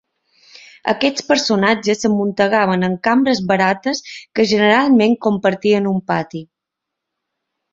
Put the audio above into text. Aquests personatges s'amuntegaven en cambres barates que generalment compartien un pati.